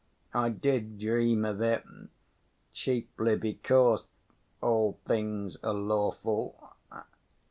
I did dream of it, chiefly because 'all things are lawful.